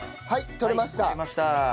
取れました。